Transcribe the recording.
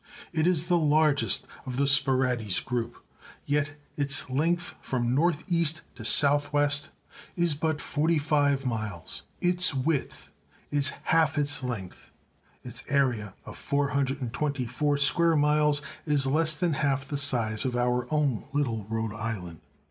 It is the largest of the Sporades group, yet its length from north east to south west is but forty five miles; its width is half its length; its area of 424 square miles is less than half the size of our own little Rhode Island.